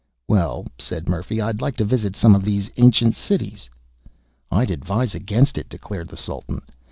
"Well," said Murphy, "I'd like to visit some of these ancient cities." "I advise against it," declared the Sultan.